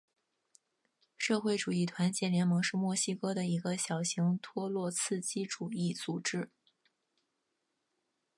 社会主义团结联盟是墨西哥的一个小型托洛茨基主义组织。